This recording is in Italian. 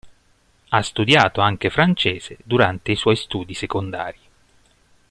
Ha studiato anche francese durante i suoi studi secondari.